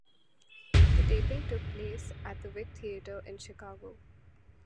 The taping took place at the Vic Theatre in Chicago.